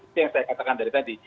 itu yang saya katakan dari tadi